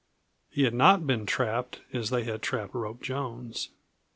He had not been trapped as they had trapped Rope Jones.